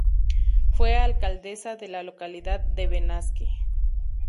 Fue alcaldesa de la localidad de Benasque.